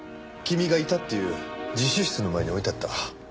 君がいたっていう自習室の前に置いてあった。